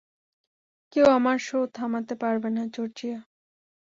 কেউ আমার শো থামাতে পারবেনা, জর্জিয়া।